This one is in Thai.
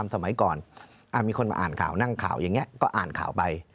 สมัยก่อนมีคนมาอ่านข่าวนั่งข่าวอย่างนี้ก็อ่านข่าวไป